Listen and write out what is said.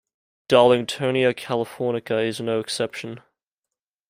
"Darlingtonia californica" is no exception.